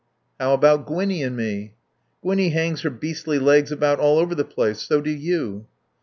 "How about Gwinnie and me?" "Gwinnie hangs her beastly legs about all over the place. So do you."